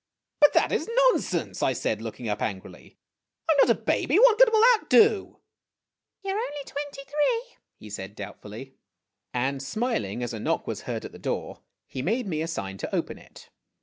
" But that is nonsense !' I said, looking up angrily. " I 'm not a baby ! What good will that do ?' "You 're only twenty three," he said doubtfully; and, smiling as a knock was heard at the door, he made me a sign to open it.